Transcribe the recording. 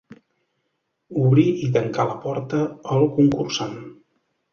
Obrir i tancar la porta al concursant